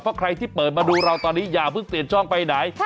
เพราะใครที่เปิดมาดูเราตอนนี้อย่าเพิ่งเปลี่ยนช่องไปไหน